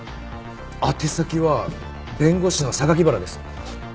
宛先は弁護士の原です。